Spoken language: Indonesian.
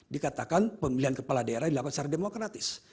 dikatakan pemilihan kepala daerah dilakukan secara demokratis